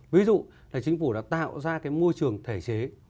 ví dụ thì chính phủ đã tạo ra cái môi trường thể chế